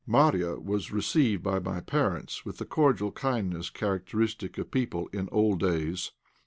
Marya was received by my parents with the cordial kindness characteristic of people in old days.